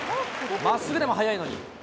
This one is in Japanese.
まっすぐでも速いのに。